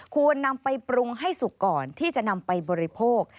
ควรนำไปปรุงให้สุกก่อนที่จะนำไปบริโภค